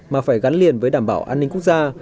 mà phải gắn liền với đảm bảo an ninh quốc gia